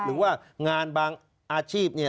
หรือว่างานบางอาชีพเนี่ย